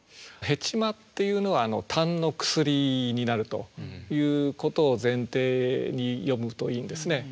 糸瓜っていうのは痰の薬になるということを前提に読むといいんですね。